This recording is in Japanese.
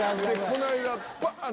この間バン！